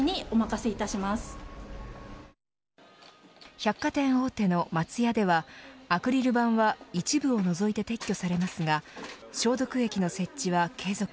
百貨店大手の松屋ではアクリル板は一部を除いて撤去されますが消毒液の設置は継続。